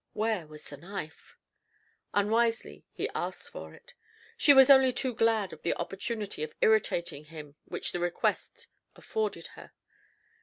Where was the knife? Unwisely, he asked for it. She was only too glad of the opportunity of irritating him which the request afforded her.